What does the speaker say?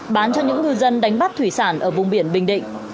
bán cho những ngư dân đánh bắt thủy sản ở vùng biển bình định